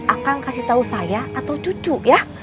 akang kasih tau saya atau cucu ya